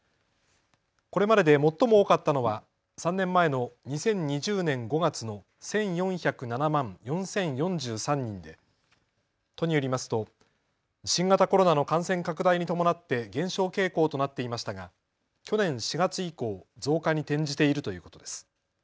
これまでで最も多かったのは３年前の２０２０年５月の１４０７万４０４３人で都によりますと新型コロナの感染拡大に伴って減少傾向となっていましたが去年４月以降、増加に転じているということです。